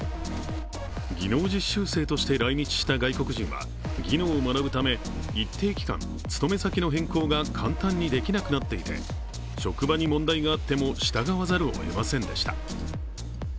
技能実習生として来日した外国人は技能を学ぶため一定期間、勤め先の変更が簡単にできなくなっていて、職場に問題があっても従わざるをえませんでした。